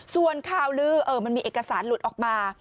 ส่วนข่าวลือมันมีเอกสารหลุดออกมา